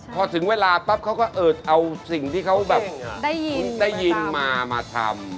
พอถึงเวลาปั๊บเขาก็เอาสิ่งที่เขาแบบได้ยินมามาทำ